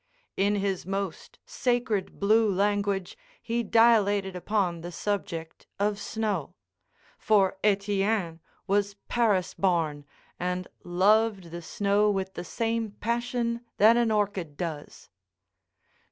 In his most sacred blue language he dilated upon the subject of snow; for Etienne was Paris born and loved the snow with the same passion that an orchid does.